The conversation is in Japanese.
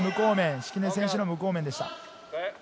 敷根選手が無効面でした。